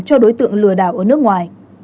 cho đối tượng lừa đảo ở nước ngoài